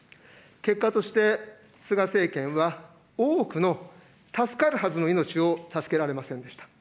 結果として、菅政権は、多くの助かるはずの命を助けられませんでした。